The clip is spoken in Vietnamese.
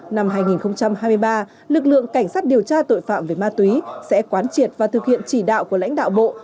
năm hai nghìn hai mươi ba lực lượng cảnh sát điều tra tội phạm về ma túy sẽ quán triệt và thực hiện chỉ đạo của lãnh đạo bộ